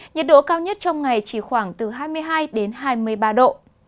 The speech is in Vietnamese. nhiệt độ cao nhất trong ngày chỉ khoảng từ hai mươi hai đến hai mươi ba độ